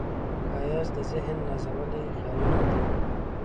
ښایست د ذهن نازولي خیالونه دي